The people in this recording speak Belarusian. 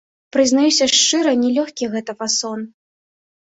Прызнаюся шчыра, не лёгкі гэты фасон.